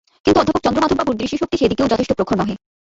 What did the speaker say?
কিন্তু অধ্যাপক চন্দ্রমাধববাবুর দৃষ্টিশক্তি সে দিকেও যথেষ্ট প্রখর নহে।